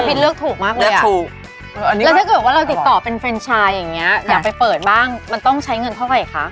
เลือกถูกมากเลยอ่ะถูกอันนี้แล้วถ้าเกิดว่าเราติดต่อเป็นเฟรนชายอย่างเงี้อยากไปเปิดบ้างมันต้องใช้เงินเท่าไหร่คะ